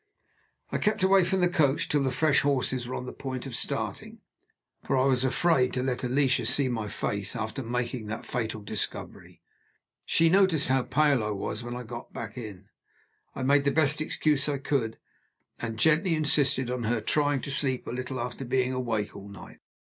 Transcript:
I kept away from the coach till the fresh horses were on the point of starting, for I was afraid to let Alicia see my face, after making that fatal discovery. She noticed how pale I was when I got in. I made the best excuse I could; and gently insisted on her trying to sleep a little after being awake all night.